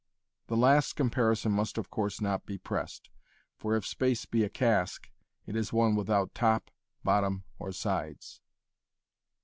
The last comparison must of course not be pressed. For if space be a cask, it is one without top, bottom or sides.